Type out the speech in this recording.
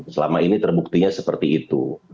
selama ini terbuktinya seperti itu